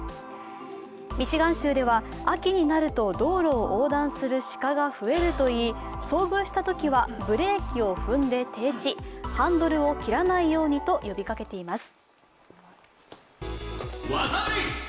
ミシガン州では、秋になると道路を横断する鹿が増えると言い遭遇したときは、ブレーキを踏んで停止、ハンドルを切らないようにと呼びかけています。